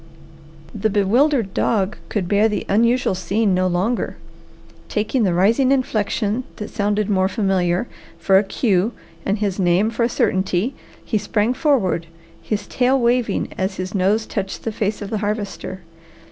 The bewildered dog could bear the unusual scene no longer. Taking the rising inflection, that sounded more familiar, for a cue, and his name for a certainty, he sprang forward, his tail waving as his nose touched the face of the Harvester.